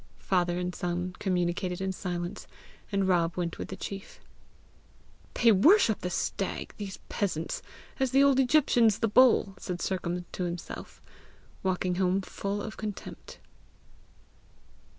Father and son communicated in silence, and Rob went with the chief. "They worship the stag, these peasants, as the old Egyptians the bull!" said Sercombe to himself, walking home full of contempt.